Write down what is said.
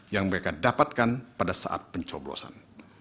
yang mereka dapatkan pada saat pencoblosan